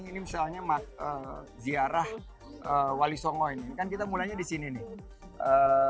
ini misalnya ziarah wali songo ini kan kita mulainya di sini nih